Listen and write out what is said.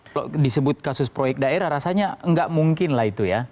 kalau disebut kasus proyek daerah rasanya nggak mungkin lah itu ya